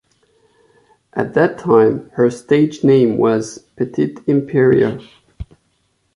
At that time, her stage name was "Pettit Imperio".